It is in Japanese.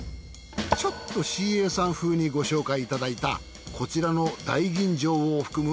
ちょっとＣＡさんふうにご紹介いただいたこちらの大吟醸を含む